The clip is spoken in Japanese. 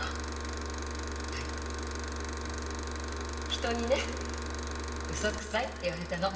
人にね「ウソくさい」って言われたの。